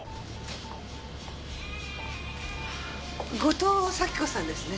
後藤咲子さんですね？